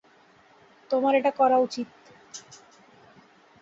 তোমার এটা করা উচিত।